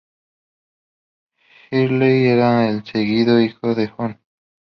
Shirley era el segundo hijo del Hon.